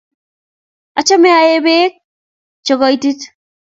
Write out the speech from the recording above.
Achame aee peek che koitit